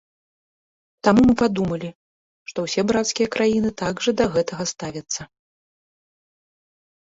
Таму мы падумалі, што ўсе брацкія краіны так жа да гэтага ставяцца.